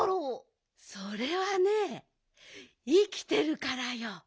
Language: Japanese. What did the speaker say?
それはねいきてるからよ。